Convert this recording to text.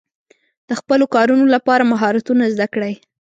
د خپلو کارونو لپاره مهارتونه زده کړئ.